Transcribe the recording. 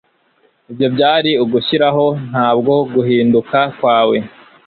ibyo byari ugushiraho ntabwo guhinduka kwawe